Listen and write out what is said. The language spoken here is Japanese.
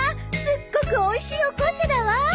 すっごくおいしいお紅茶だわ。